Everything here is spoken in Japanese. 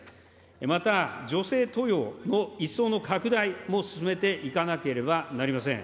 また、女性登用の一層の拡大も進めていかなければなりません。